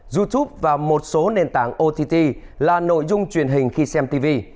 youtube và một số nền tảng ott là nội dung truyền hình khi xem tv